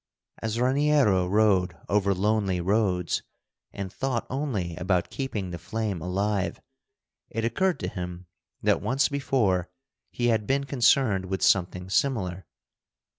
As Raniero rode over lonely roads, and thought only about keeping the flame alive, it occurred to him that once before he had been concerned with something similar.